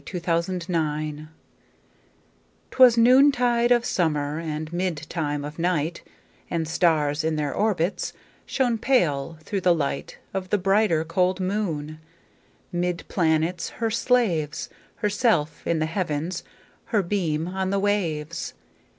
1827 Evening Star 'Twas noontide of summer, And midtime of night, And stars, in their orbits, Shone pale, through the light Of the brighter, cold moon. 'Mid planets her slaves, Herself in the Heavens, Her beam on the waves.